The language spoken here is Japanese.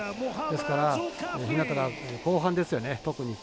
ですから日向が後半ですよね、特に。